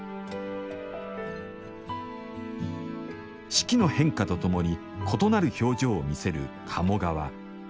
四季の変化とともに異なる表情を見せる鴨川。